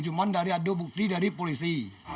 cuma tidak ada bukti dari polisi